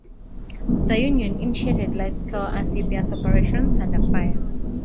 The Union initiated large scale amphibious operations under fire.